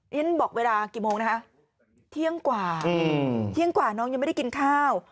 ฉันบอกเวลากี่โมงนะคะเที่ยงกว่าเที่ยงกว่าน้องยังไม่ได้กินข้าว